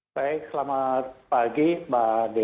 baik selamat pagi mbak dea